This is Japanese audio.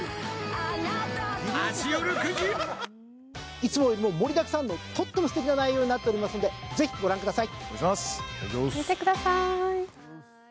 いつもよりも盛りだくさんのとってもすてきな内容になっておりますので、ぜひご覧ください。